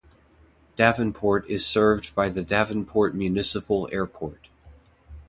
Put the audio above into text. Davenport is served by the Davenport Municipal Airport.